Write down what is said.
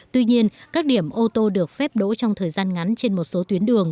tuy nhiên các điểm ô tô được phép đỗ trong thời gian ngắn trên một số tuyến đường